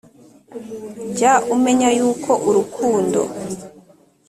jya umenya yuko urukundo